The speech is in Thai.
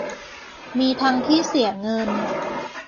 มีทั้งที่เสียเงิน